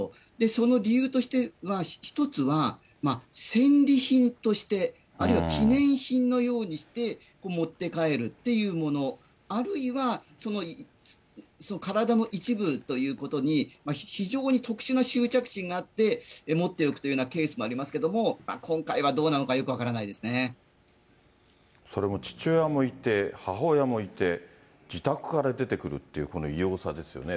その理由として一つは、戦利品として、あるいは記念品のようにして持って帰るっていうもの、あるいは、体の一部ということに非常に特殊な執着心があって持っておくというようなケースもありますけれども、今回はどうなのか、よく分かそれも父親もいて、母親もいて、自宅から出てくるっていうこの異様さですよね。